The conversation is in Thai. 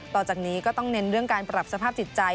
ต่อจากนี้ก็ต้องเน้นเรื่องการปรับสภาพจิตใจ